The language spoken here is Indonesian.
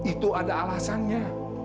itu ada alasannya